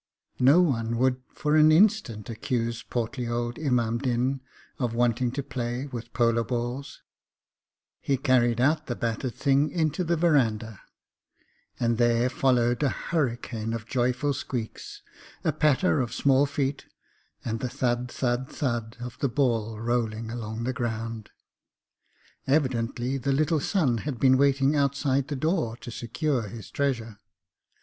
No one would for an instant accuse portly old Imam Din of wanting to play with polo balls. He carried out the battered thing into the verandah; and there followed a hurricane of joyful squeaks, a patter of small feet, and the thud thud thud of the ball rolling along the ground. Evidently the little son had been waiting outside the door to secure his treasure.